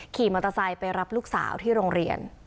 ขี่มอเตอร์ไซค์ไปรับลูกสาวที่โรงเรียน